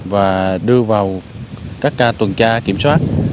và đưa vào các ca tuần tra kiểm soát